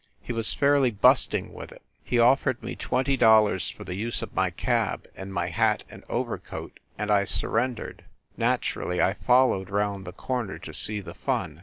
He was fairly busting with it. He of fered me twenty dollars for the use of my cab and my hat and overcoat, and I surrendered. Naturally, I followed round the corner to see the fun.